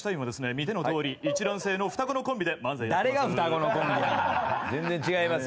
見てのとおり一卵性の双子のコンビで漫才やってます。